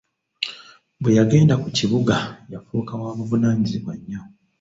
Bwe yagenda ku kibuga yafuuka wa buvunaanyizibwa nnyo.